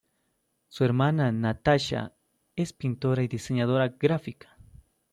Su hermana Natasha es pintora y diseñadora gráfica.